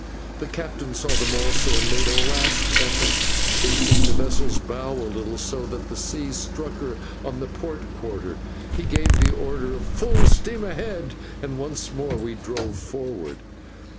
The captain saw them also and made a last effort. Shifting the vessel's bow a little, so that the seas struck her on the port quarter, he gave the order of "Full steam ahead," and once more we drove forward.